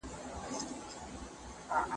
دا کار ماشومان هڅوي.